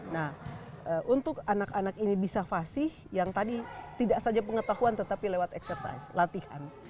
nah untuk anak anak ini bisa fasih yang tadi tidak saja pengetahuan tetapi lewat eksersis latihan